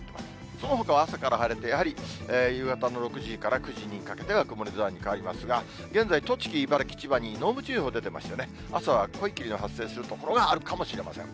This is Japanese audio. そのほかは朝から晴れて、やはり夕方の６時から９時にかけてが曇り空に変わりますが、現在、栃木、茨城、千葉に濃霧注意報出てましてね、朝は濃い霧の発生する所があるかもしれません。